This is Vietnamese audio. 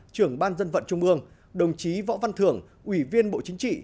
trưởng ban dân vận trung ương đồng chí võ văn thưởng ủy viên bộ chính trị